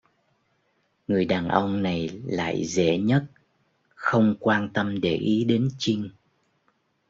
Người đàn ông này lại dễ nhất không quan tâm để ý đến chinh